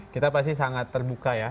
kita pasti sangat terbuka ya